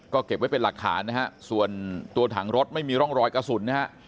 ก็เก็บไว้เป็นหลักฐานนะฮะส่วนตัวถังรถไม่มีร่องรอยกระสุนนะฮะ